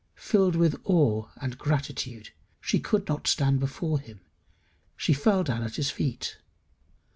Filled with awe and gratitude, she could not stand before him; she fell down at his feet.